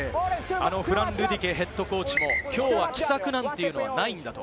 フラン・ルディケＨＣも、きょうは奇策なんていうのはないんだと。